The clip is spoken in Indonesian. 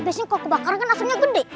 biasanya kalau kebakaran kan asepnya gede